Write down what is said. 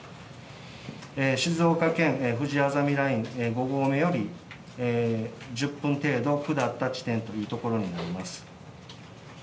静岡県ふじあざみライン５合目より、１０分程度下った地点という所になります。